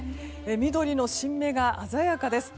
緑の新芽が鮮やかです。